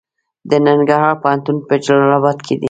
د ننګرهار پوهنتون په جلال اباد کې دی